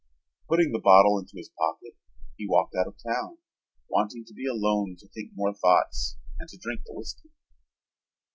Putting the bottle into his pocket, he walked out of town, wanting to be alone to think more thoughts and to drink the whiskey.